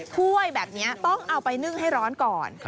ถ้วยแบบนี้ต้องเอาไปนึ่งให้ร้อนก่อน